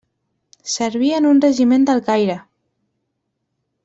Serví en un regiment del Caire.